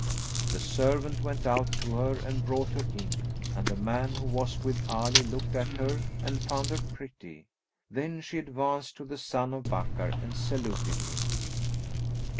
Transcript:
The servant went out to her and brought her in, and the man who was with Ali looked at her and found her pretty. Then she advanced to the son of Bakkar and saluted him.